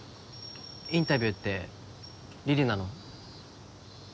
インタビューって李里奈の？